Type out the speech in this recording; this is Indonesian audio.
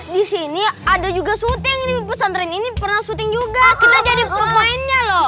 di sini ada juga syuting ini pesantren ini pernah syuting juga kita jadi pemainnya loh